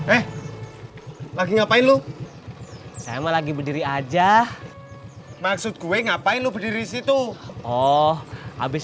eh lagi ngapain lu saya lagi berdiri aja maksud gue ngapain lu berdiri situ oh habis